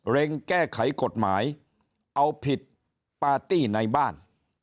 แก้ไขกฎหมายเอาผิดปาร์ตี้ในบ้าน